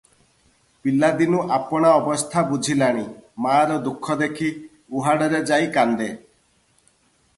ପିଲାଦିନୁ ଆପଣା ଅବସ୍ଥା ବୁଝିଲାଣି! ମାଆର ଦୁଃଖ ଦେଖି ଉହାଡ଼ରେ ଯାଇ କାନ୍ଦେ ।